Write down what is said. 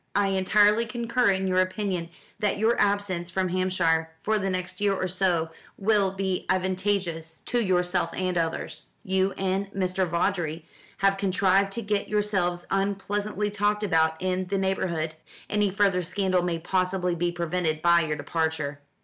I entirely concur in your opinion that your absence from Hampshire for the next year or so will be advantageous to yourself and others. You and Mr. Vawdrey have contrived to get yourselves unpleasantly talked about in the neighbourhood. Any further scandal may possibly be prevented by your departure."